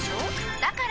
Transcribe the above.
だから！